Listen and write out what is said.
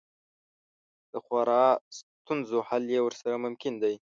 د خورا ستونزو حل یې ورسره ممکن دی.